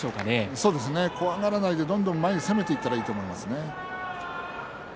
そうですね怖がらないでどんどん前に攻めていったらいいですね。